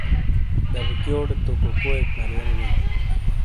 دبیکیوڈے توکوکوئیک مرونی بئی